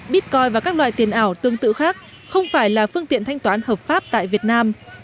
bitcoin và các loại tiền ảo tương tự khác không phải là phương tiện thanh toán hợp pháp tại việt nam